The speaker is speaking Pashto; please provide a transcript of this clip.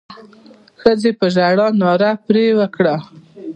ښځې په ژړا ناره پر وکړه.